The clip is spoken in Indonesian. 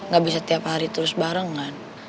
gak bisa tiap hari terus barengan